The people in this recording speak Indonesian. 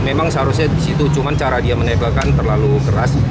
memang seharusnya di situ cuma cara dia menembakkan terlalu keras